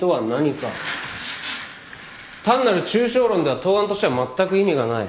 単なる抽象論では答案としてはまったく意味がない。